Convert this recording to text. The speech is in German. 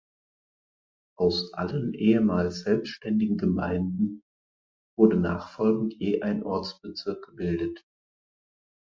Aus allen ehemals selbstständigen Gemeinden wurde nachfolgend je ein Ortsbezirk gebildet.